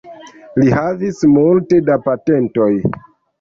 Li havis multe da patentoj.